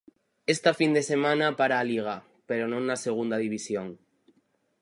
Esta fin de semana para a Liga, pero non na Segunda División.